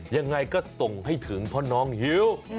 ยังไงก็ส่งให้ถึงเพราะน้องหิว